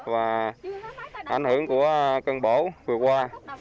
và ảnh hưởng của cân bổ vừa qua